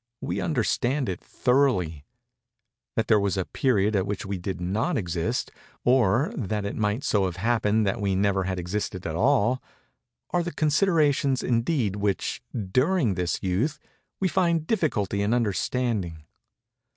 We understand it thoroughly. That there was a period at which we did not exist—or, that it might so have happened that we never had existed at all—are the considerations, indeed, which during this youth, we find difficulty in understanding.